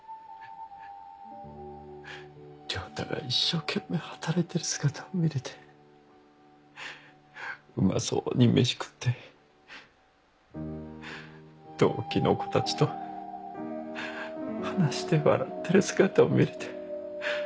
良太が一生懸命働いてる姿を見れてうまそうにメシ食って同期の子たちと話して笑ってる姿を見れて。